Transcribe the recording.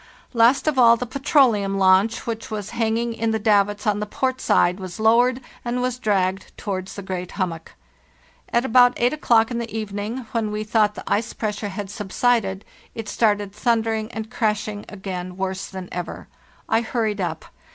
Last of all, the petroleum launch, which was hanging in the davits on the port side, was lowered, and was dragged towards the great hummock. At about 8 o'clock in the evening, when we thought the ice pressure had subsided, it started thundering and crashing again worse than ever. I hurried up.